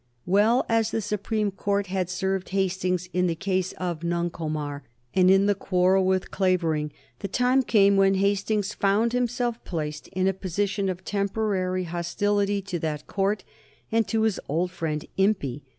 Well as the Supreme Court had served Hastings in the case of Nuncomar and in the quarrel with Clavering, the time came when Hastings found himself placed in a position of temporary hostility to that Court and to his old friend Impey.